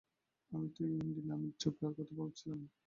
আমি তো ঐ অ্যান্ডি নামের ছোকরার কথা ভাবছিলাম।